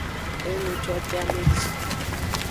Enujodeameji.